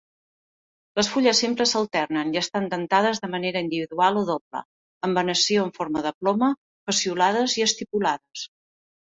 Les fulles simples s'alternen i estan dentades de manera individual o doble, amb venació en forma de ploma, peciolades i estipulades.